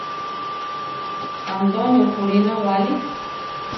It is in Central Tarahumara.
Antonio kurí nawáli.